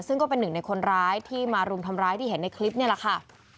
ซึ่งก็เป็นหนึ่งในคนร้ายที่มารุมทำร้ายที่เห็นในคลิปนี่แหละค่ะ